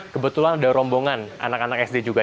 kebetulan ada rombongan anak anak sd juga